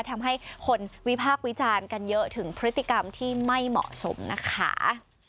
ทำให้คนวิพากษ์วิจารณ์กันเยอะถึงพฤติกรรมที่ไม่เหมาะสมนะคะ